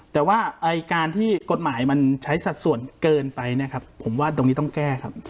แต่ว่าการที่กฎหมายมันใช้สัดส่วนเกินไปนะครับผมว่าตรงนี้ต้องแก้ครับ